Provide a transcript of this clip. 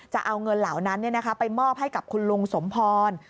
จะเอาเงินเหล่านั้นไปมอบให้กับคุณลุงสมพร